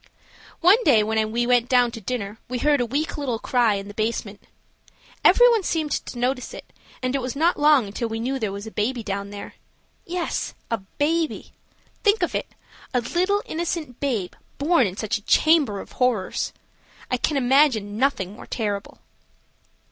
One day when we went down to dinner we heard a weak little cry in the basement. Every one seemed to notice it, and it was not long until we knew there was a baby down there. Yes, a baby. Think of it–a little, innocent babe born in such a chamber of horrors! I can imagine nothing more terrible.